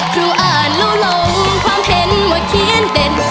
ครูอ่านแล้วลงความเห็นว่าเขียนเป็น